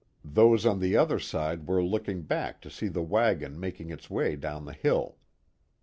Those on the other side were looking back to .see the wagon making its way down the hill.